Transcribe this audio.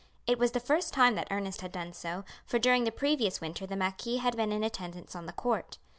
It was the first time that Ernest had done so, for during the previous winter the marquis had been in attendance on the court.